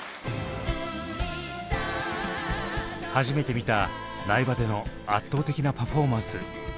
初めて見た苗場での圧倒的なパフォーマンス。